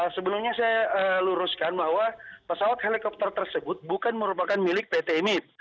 sebelumnya saya luruskan bahwa pesawat helikopter tersebut bukan merupakan milik pt imip